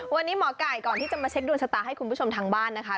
วันนี้หมอไก่ก่อนที่จะมาเช็คดวงชะตาให้คุณผู้ชมทางบ้านนะคะ